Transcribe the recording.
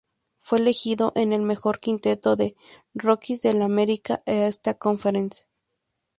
Fue elegido en el "mejor quinteto" de rookies de la America East Conference.